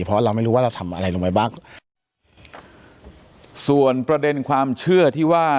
เพราะเราไม่รู้ว่าเราทำอะไรลงไปบ้างส่วนประเด็นความเชื่อที่ว่า